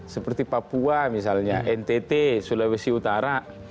seperti papua misalnya ntt sulawesi utara